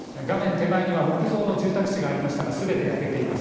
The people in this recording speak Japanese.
手前には木造の住宅地がありましたがすべて焼けています。